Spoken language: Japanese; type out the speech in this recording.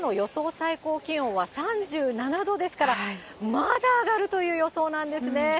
最高気温は３７度ですから、まだ上がるという予想なんですね。